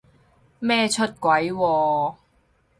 咩出軌喎？